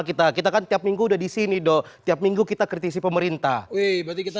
kita kita kan tiap minggu udah di sini doh tiap minggu kita kritisi pemerintah wei berarti kita